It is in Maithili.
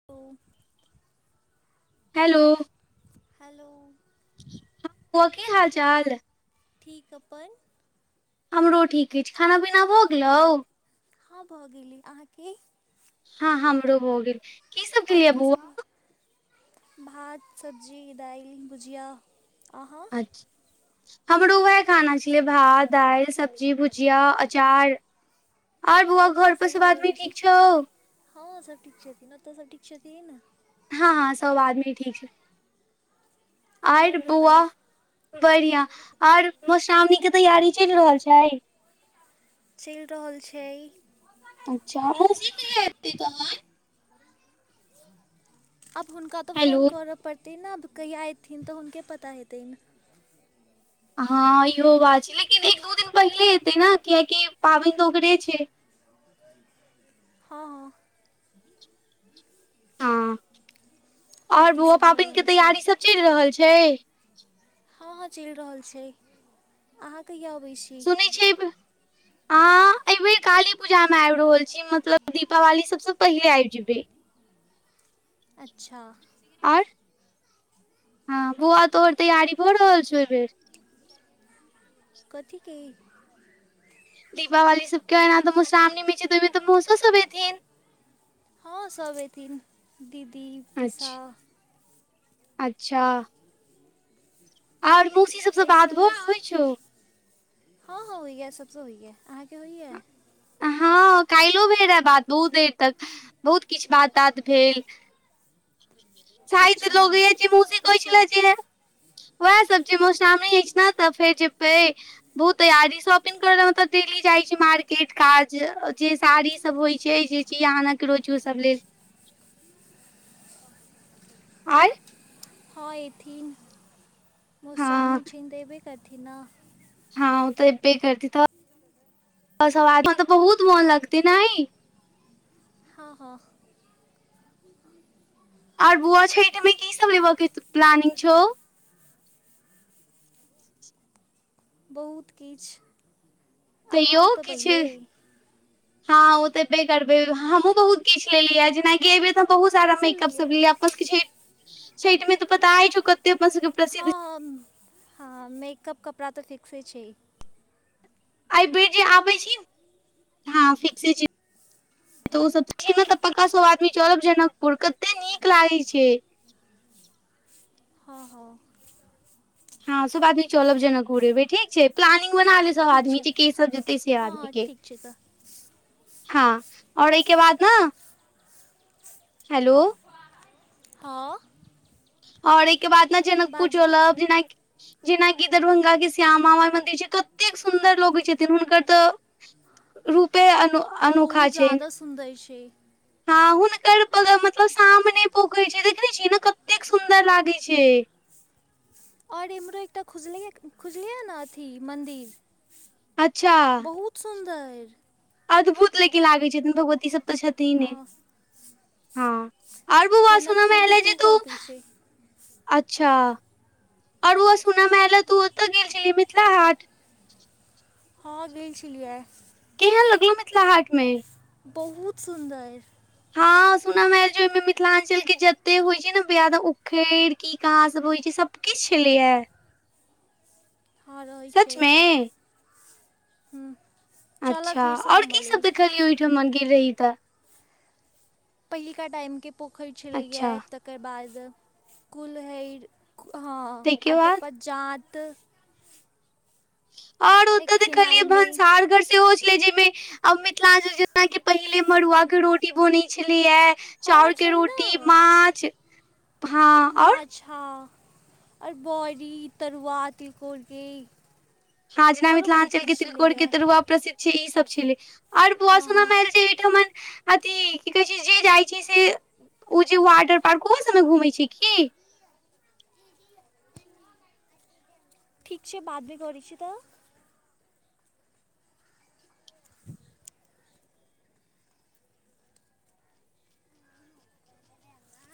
[unintelligible] हेलो हेलो कह की हाल चाल ठीक अपन हमरो ठीक अछि खाना पीना भऽ गेलौ हँ भऽ गेली अहाँके हँ हमरो भऽ गेल की सब आओर खेलियै बौआ कीसभ भात सब्जी दालि भुजिया अहाँ [unintelligible] हमरो उएह खाना छलै भात दालि सब्जी भुजिया अचार आर बौआ आओर की घर पर सब भऽ आदमी रहल छै ठीक छौ हँ सभ ठीक छथिन ओतऽ सभ ठीक छथिन हँ हँ सब आदमी ठीक छै आर आओर बुआ बताउ बढ़िया आर मधुश्रावणी कऽ तैयारी चलि रहल छै चलि रहल छैय अच्छा [unintelligible] आब हुनका तऽ फोन हेलो करऽ पड़ तेनाब कहियआ अयथिन तऽ हुनके पता हेतनि हँ इहो बात छै लेकिन एक दू दिन पहिले एेतै नऽ कियाकि पाबनि तऽ ओकरे छै हँ हँ हँ आओर की बऊआ सब भऽ पाबनिके रहल छै तैयारी सब चलि रहल छैय हँ हँ चलि रहल छै अहाँ कहिया अबै छी सुनै छिये अ एबेर काली पूजा में आब रहल छी मतलब दीपावली सबसऽ पहिले आबि जेबे [inaudible] अच्छा आर हँ बौआ तोहर तैयारी भऽ रहल छौ एहि बेर कथि कहि दीपावली सबकेना तऽ मधशावणी छै तऽ एहिमे तऽ मोसो सब एऐथिन हँ सब एथिन दीदी पिसा अच्छा अच्छा आओर मौसी सबसँ एहि बात सभमे होइ छौ हँ हँ होइया सभसँ होइयएा अहाँके होइया हँ काल्हिो भेल रहय बात बहुत देर तक बहुत किछु बात तात भेल शायद अच्छा लग ऐछी जे मोसी की कहहि छल सब जे वएह सब जे मधुश्रावणी एछै नऽ तऽ फेर जेबै बहुत तैयारी सॉपिंग करय लऽ तऽ डेली जाइ छै मार किट काज जे साड़ी सब होइ छै जे चाहि अह रोजो सब लेल आय हँ अथिन हँ मोधश्रामणी छेन तऽ ऐबे करथिन नऽ हँ ओ तऽ एबे करती तऽ तऽ बहुत मोन लगते नइ हँ हँ [unintelligible] आर बुआ छठमे की सब लेबबाक प्लानिंग छौ बहुत किछु आहाँ तैयो ओउ तऽ किछु पहिले हँ ओ तेबे करबे हमहुँ बहुत किछ लेलिय जेनााक बे तऽ बहुत सारा कीसभ मेकअप लेलियै सब ले आपस के छठि छठि मे तऽ पता है छो हम हँ मेकअप कपड़ा तऽ फिक्से छैय आई बेर जे आबै छी हँ फिक्से छै तऽ ओ सब तऽ पक्का सब आदमी चलब जनकपुर कते नीक लागै छै हँ हँ हँ सब आदमी चलब जनकपुर अई बेर ठीक छै प्लानिंग बटालियन ठीक आदमी छै के के सब जैतै से हँ आदमी हँ के ठीक छै तऽ हँ आओर एहिके बाद न हेलो हँ आओर एहिके बाद न जनकपुर बाजू चलब जेनाकि जेनाकि दरभंगा के श्यामा माइ मंन्दिर छै कतेक सुन्दर लगै छथिन हुनकर तऽ रूपे अन हँ बहुत जादा सुन्दर छै हँ हुनकर मतलब सामने पोखरि छै देखने छियै न कतेक सुन्दर लागै छै आओर इम्हरो एकटा खुजलैया खुजलैया न अथी मन्दिर अच्छा बहुत सुन्दर अद्भुत लेकिन लागै छथिन भगवती सब तऽ छथिने आ हँ आर बौआ सुनमे जनकपुरके एलै टू जे तू कॉपी छै अच्छा आओर बौआ सुन मे ऐलान जे तू ओतऽ गेल छलही मिथिला हाट हँ गेल छलिया आई केहन लगलौ मिथिला हाट मे बहुत सुन्दर हँ सुनमे आल जे ओहिमे मिथिलांचल के जते होइ छै ने ब्याद उखैड़ की कहाँ सब होइ छै सब किछ छिलियै हँ रहै सच छै मे हूँ चलऽ अच्छा फेरसँ आओर घूमऽ लेल कीसब देखलियै ओहिठाम मा गेल रहीयै तऽ पहिलका टाइमके पोखरि छलैया अच्छा तकर बाद कुलहैर हँ आ तकर बाद जाँत आओर एहि ओतऽ देखलियै खेनाइमे भनसा घर सेहो छलै जाहिमे आ मिथिलांचल जेनाकी पहिले मड़ुआ के रोटी बनै छलैया हँ चाउर के छै ने रोटी माछ हँ आओर अच्छा आर बरी तरुआ तिलकोर के छाँ जना मिथिलांचल के तिलकोर के छलैए तरुआ प्रसिद्ध छै ई सब छलै आओर बौआ हँ हँ सुनामे आल जे एहिठमन अथी की कहै छै जे जाइ छी से उ जे वाटर पार्क उहो सबमे घूमै छै की ठीक छै बाद मे करै छी तऽ